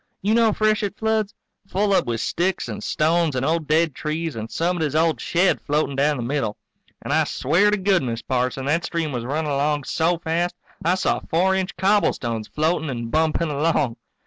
You know freshet floods? Full up with sticks and stones and old dead trees and somebody's old shed floatin' down the middle. And I swear to goodness, Parson, that stream was running along so fast I saw four inch cobblestones floating and bumping along.